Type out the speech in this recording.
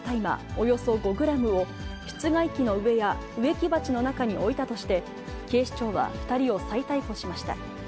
およそ５グラムを、室外機の上や植木鉢の中に置いたとして、警視庁は２人を再逮捕しました。